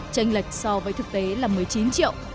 tranh lệch so với thực tế là một mươi chín triệu